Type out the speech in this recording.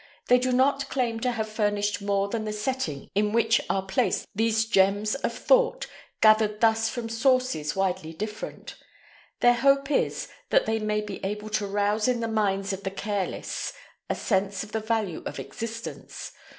They do not claim to have furnished more than the setting in which are placed these "GEMS" of thought gathered thus from sources widely different. Their hope is, that they may be able to rouse in the minds of the careless a sense of the value of existence.